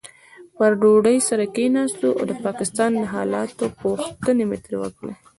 پر ډوډۍ سره کښېناستو او د پاکستان د حالاتو پوښتنې مې ترې وکړې.